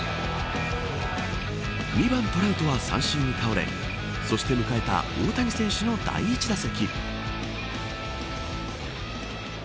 ２番トラウトは三振に倒れそして迎えた大谷選手の第１打席。